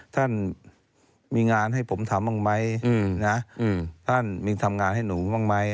ท่านมีงานให้ผมทำบ้างไหมนะท่านมีทำงานให้หนูบ้างไหม